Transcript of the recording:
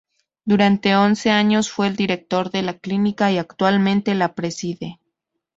Durante once años fue el Director de la Clínica y actualmente la preside.